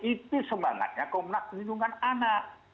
itu semangatnya komnas perlindungan anak